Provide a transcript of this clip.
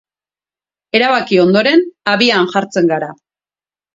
Erabaki ondoren, abian jartzen gara.